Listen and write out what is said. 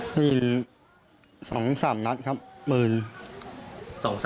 ได้ยิน๒๓นัดครับปืน๒๓